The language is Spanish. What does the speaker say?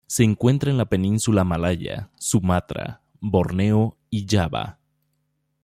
Se encuentra en la península malaya, Sumatra, Borneo y Java.